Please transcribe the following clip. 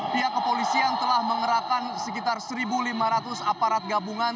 pihak kepolisian telah mengerahkan sekitar satu lima ratus aparat gabungan